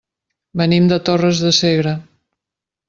Venim de Torres de Segre.